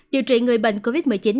điều trị người bệnh covid một mươi chín